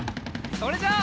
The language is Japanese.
それじゃあ。